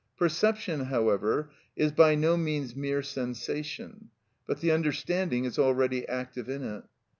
Perception, however, is by no means mere sensation, but the understanding is already active in it.